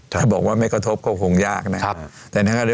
ถ้าบอกว่าไม่กระทบก็คงยากนะครับ